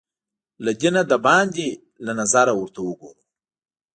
له دینه باندې له نظره ورته وګورو